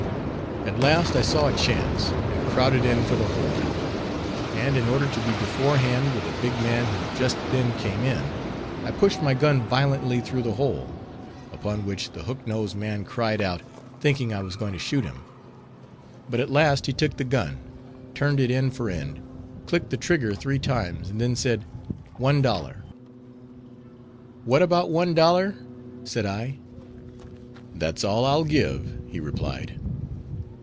At last I saw a chance, and crowded in for the hole; and in order to be beforehand with a big man who just then came in, I pushed my gun violently through the hole; upon which the hook nosed man cried out, thinking I was going to shoot him. But at last he took the gun, turned it end for end, clicked the trigger three times, and then said, "one dollar." "What about one dollar?" said I. "That's all I'll give," he replied.